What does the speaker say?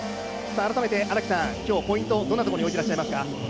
改めて、今日のポイント、どんなところに置いていらっしゃいますか？